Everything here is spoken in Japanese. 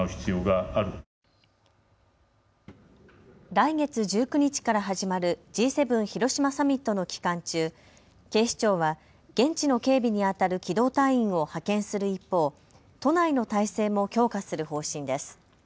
来月１９日から始まるＧ７広島サミットの期間中、警視庁は現地の警備にあたる機動隊員を派遣する一方、都内の態勢も強化する方針です。